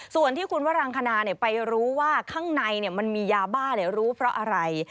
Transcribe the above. ส่วนที่คุณวรังคณาไปรู้ว่าข้างในมันมียาบ้ารู้เพราะอะไร